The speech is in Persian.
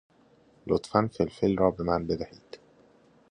لطفا فلفل را به من بدهید.